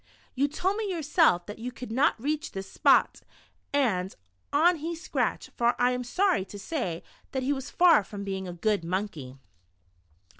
" You told me yourself that you could not reach this spot," and on he scratched, for I am sorry to say that he was far from being a good monkey.